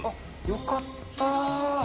よかった。